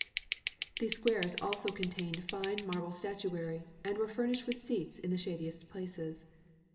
These squares also con tained fine marble statuary and were furnished with seats in the shadiest places.